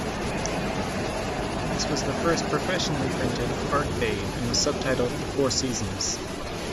This was the first professionally printed "Artbabe", and was subtitled "The Four Seasons".